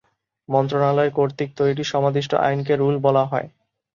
মন্ত্রণালয় কর্তৃক তৈরি সমাদিষ্ট আইনকে রুল বলা হয়।